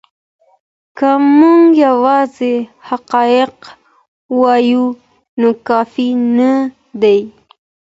که موږ یوازې حقایق ووایو نو کافی نه دی.